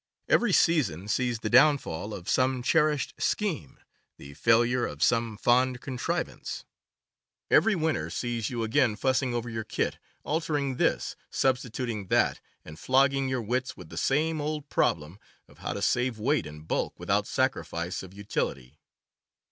Every season sees the downfall of some cherished scheme, the failure of some fond contrivance. Every winter sees you again fussing over your kit, altering this, substituting that, and flogging your wits with the same old problem of how to save weight and bulk without sacrifice of utility.